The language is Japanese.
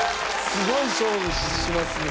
すごい勝負しますね。